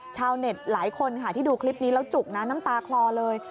ชาวเน็ตหลายคนที่ดูคลิปแล้วฉุกน้้ำตาคลอเลย